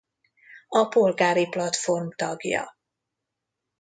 A Polgári Platform tagja.